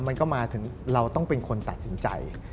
มันก็มาถึงเราต้องเป็นคนตัดสินใจ